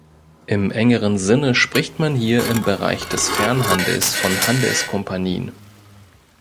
Im engeren Sinne spricht man hier im Bereich des Fernhandels von Handelskompanien.